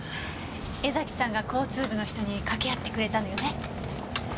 江崎さんが交通部の人に掛け合ってくれたのよね？